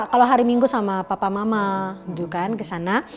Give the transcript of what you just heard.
kalau hari minggu sama papa mama gitu kan ke sana